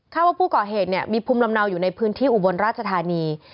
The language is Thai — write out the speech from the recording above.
ว่าผู้ก่อเหตุเนี่ยมีภูมิลำเนาอยู่ในพื้นที่อุบลราชธานี